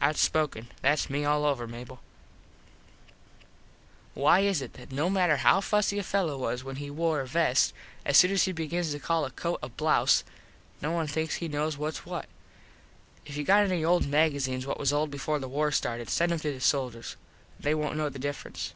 Outspoken. Thats me all over, Mable. Why is it that no matter how fussy a fello was when he wore a vest as soon as he begins to call a coat a blouze no one thinks he knows whats what. If you got any old magazenes what was old before the war started send em to the soldiers. They wont know the difference.